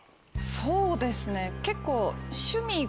そうですね結構。